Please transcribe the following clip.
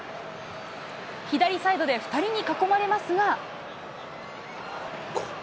左サイドで２人に囲まれますが。